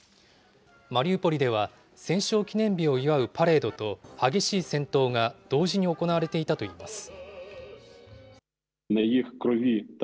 マリウポリでは、戦勝記念日を祝うパレードと、激しい戦闘が同時に行われていたといいます。